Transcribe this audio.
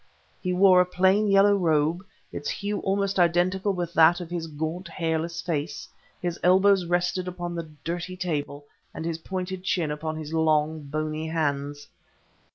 He wore a plain yellow robe, its hue almost identical with that of his gaunt, hairless face; his elbows rested upon the dirty table and his pointed chin upon his long, bony hands.